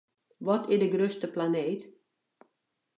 Wat is de grutste planeet?